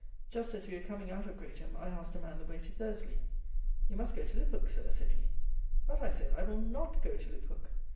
Just as we were coming out of Greatham, I asked a man the way to Thursley. "You must go to Liphook, Sir," said he. "But," I said, "I will not go to Liphook."